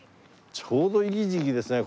ちょうどいい時期ですね